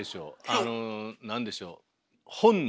あの何でしょう本能？